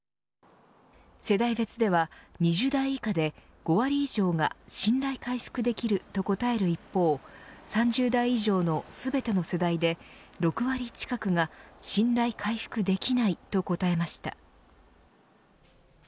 世代別では２０代以下で５割以上が信頼回復できると答える一方３０代以上の全ての世代で６割近くが、信頼回復できないと答えました。